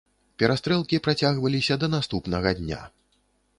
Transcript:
Перастрэлкі працягваліся да наступнага дня.